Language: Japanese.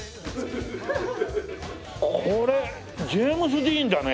これジェームズ・ディーンだね。